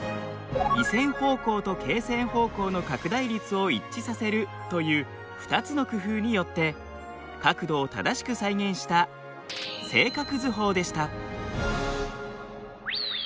緯線方向と経線方向の拡大率を一致させる」という２つの工夫によって角度を正しく再現した正角図法でした。